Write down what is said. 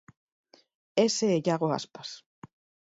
Ese é Iago Aspas.